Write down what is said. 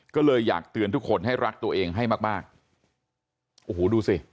ก็เลยอยากเตือนทุกคนให้รักตัวเองให้มากมากโอ้โหดูสิ